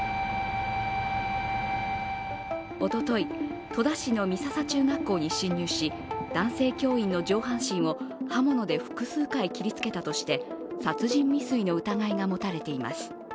おととい、戸田市の美笹中学校に侵入し、男性教員の上半身を刃物で複数回切りつけたとして殺人未遂の疑いが持たれています。